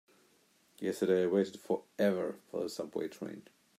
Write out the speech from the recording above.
Yesterday I waited forever for the subway train.